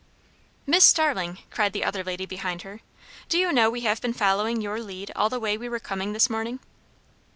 "Miss Starling!" cried the other lady behind her, "do you know we have been following your lead all the way we were coming this morning?"